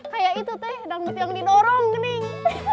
kayak itu teh danggut yang didorong geneng